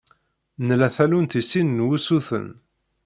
Nla tallunt i sin n wusuten.